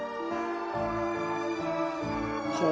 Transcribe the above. ほう。